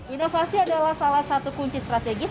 inovasi adalah salah satu kunci strategis